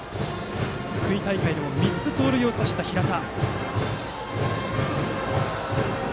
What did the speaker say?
福井大会でも３つ盗塁を刺した平田。